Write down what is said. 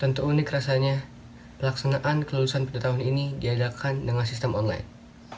tentu unik rasanya pelaksanaan kelulusan pada tahun ini diadakan dengan sistem online